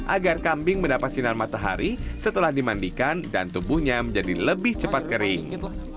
agar kambing mendapat sinar matahari setelah dimandikan dan tubuhnya menjadi lebih cepat kering